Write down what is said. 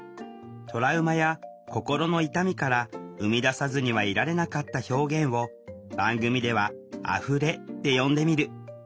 トラウマや心の痛みから生み出さずにはいられなかった表現を番組では「あふれ」って呼んでみる。